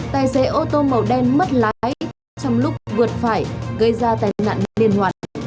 tài xế ô tô màu đen mất lái trong lúc vượt phải gây ra tai nạn liên hoàn